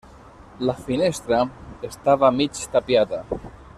La finestra estava mig tapiada.